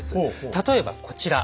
例えばこちら。